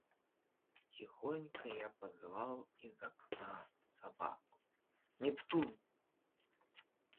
Тихонько я позвал из окна собаку: Нептун!